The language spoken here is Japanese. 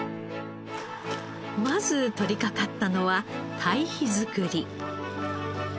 まず取り掛かったのは堆肥作り。